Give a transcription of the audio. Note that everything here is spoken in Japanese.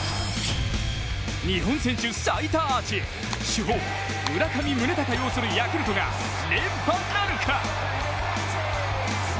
日本選手最多アーチ、主砲・村上宗隆擁するヤクルトが連覇なるか。